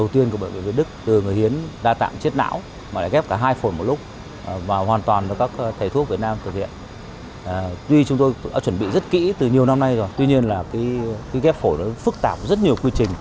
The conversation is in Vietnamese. từ nhiều năm nay rồi tuy nhiên là cái ghép phổi nó phức tạp rất nhiều quy trình